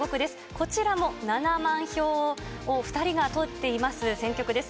こちらも７万票を２人が取っています選挙区です。